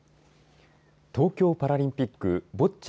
東京パラリンピックボッチャ